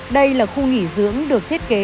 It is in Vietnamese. đây là khu nghỉ dưỡng được thiết kế